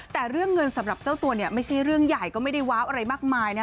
แต่เรื่องเงินสำหรับเจ้าตัวเนี่ยไม่ใช่เรื่องใหญ่ก็ไม่ได้ว้าวอะไรมากมายนะ